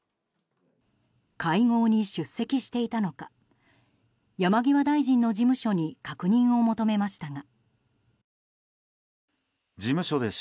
会合に出席していたのか山際大臣の事務所に確認を求めましたが。